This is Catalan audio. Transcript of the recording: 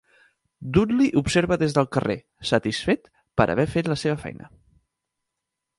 Dudley observa des del carrer, satisfet per haver fet la seva feina.